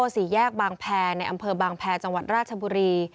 สี่แยกบางแพรในอำเภอบางแพรจังหวัดราชบุรี